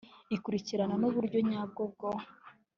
ikurikirana n uburyo nyabwo bwo